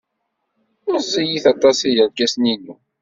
Meẓẓiyit aṭas yerkasen-inu.